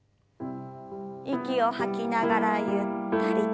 息を吐きながらゆったりと。